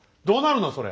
どうなるの？